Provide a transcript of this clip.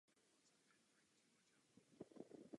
Irové se obejdou bez vaší ochrany.